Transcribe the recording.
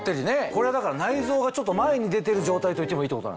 これは内臓がちょっと前に出てる状態といってもいいってこと？